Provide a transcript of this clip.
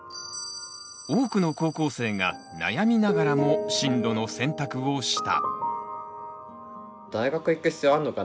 多くの高校生が悩みながらも進路の選択をした。